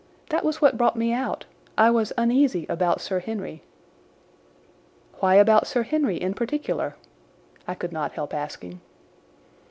That was what brought me out. I was uneasy about Sir Henry." "Why about Sir Henry in particular?" I could not help asking.